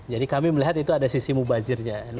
jadi kami melihat itu ada sisi mubazirnya